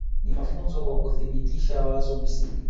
Ni mafunzo kwa kuthibitisha wazo msingi